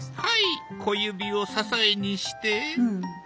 はい小指を支えにして。